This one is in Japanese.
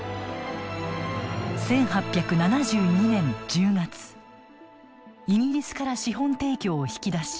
１８７２年１０月イギリスから資本提供を引き出し